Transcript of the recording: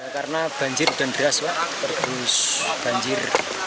karena banjir dan deras terus banjir